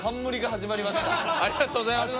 ありがとうございます。